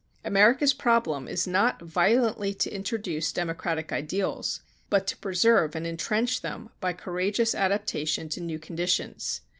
America's problem is not violently to introduce democratic ideals, but to preserve and entrench them by courageous adaptation to new conditions.